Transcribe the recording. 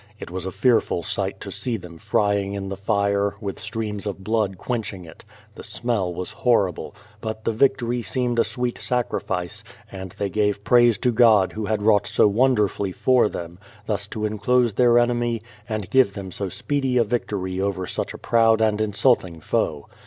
It was a fearful sight to see them frying in the fire, with streams of blood quench ing it; the smell was horrible, but the victory seemed a 288 BRADFORD'S HISTORY OFj sweet sacrifice, and they gave praise to God Who had wrought so wonderfully for them, thus to enclose their enemy, and give them so speedy a victory over such a proud and insulting foe.